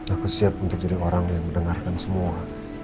aku siap untuk jadi orang yang mendengarkan semua